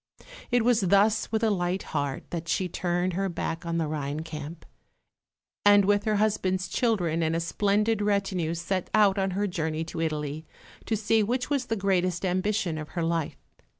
It was thus with a light heart that she turned her back on the Rhine camp; and with her husband's children and a splendid retinue set out on her journey to Italy, to see which was the greatest ambition of her life.